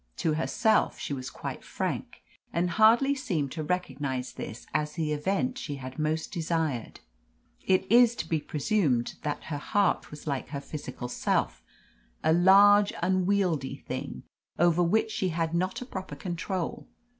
To herself she was quite frank, and hardly seemed to recognise this as the event she had most desired. It is to be presumed that her heart was like her physical self, a large, unwieldy thing, over which she had not a proper control.